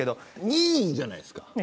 任意じゃないですか。